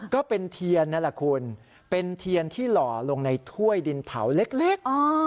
ก็เป็นเทียนนั่นแหละคุณเป็นเทียนที่หล่อลงในถ้วยดินเผาเล็ก